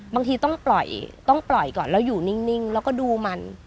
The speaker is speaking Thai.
บางทีต้องปล่อยก่อนแล้วอยู่นิ่งแล้วก็ดูมัน